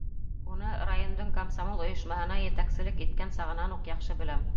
Уны райондың комсомол ойошмаһына етәкселек иткән сағынан уҡ яҡшы беләм.